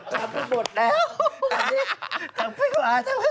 จำได้หมดแล้ว